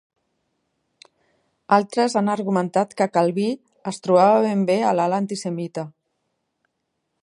Altres han argumentat que Calví es trobava ben bé a l'ala antisemita.